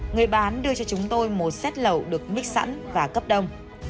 người bán đưa cho chúng tôi một xét lẩu được mít sẵn và cấp đông